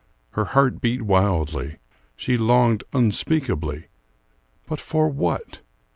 Her heart beat wildly; she longed unspeakably but for what?